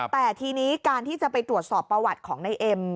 แต่ทีนี้การที่จะไปตรวจสอบประวัติของนายเอ็ม